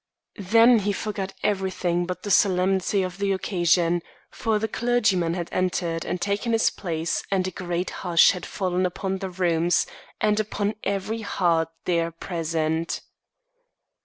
Then he forgot everything but the solemnity of the occasion, for the clergyman had entered and taken his place, and a great hush had fallen upon the rooms and upon every heart there present.